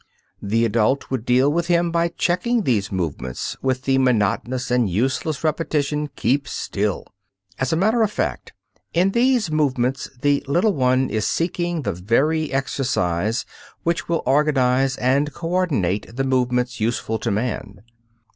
The adult would deal with him by checking these movements, with the monotonous and useless repetition "keep still." As a matter of fact, in these movements the little one is seeking the very exercise which will organize and coordinate the movements useful to man.